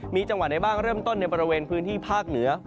มีจังหวัดไหนบ้างเริ่มต้นในบริเวณพื้นที่ภาคเหนือ